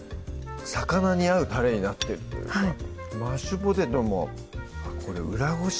魚に合うたれになってるというかはいマッシュポテトもこれ裏ごし